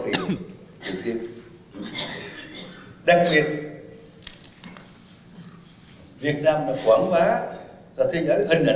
thủ tướng khẳng định việt nam đã đạt được nhiều thành công lớn trong hội nghị lần này công tác chuẩn bị được nhiều thành công lớn trong hội nghị lần này